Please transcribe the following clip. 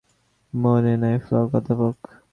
Flag ও অধ্যাপক রাইটের ঠিকানা মনে নাই।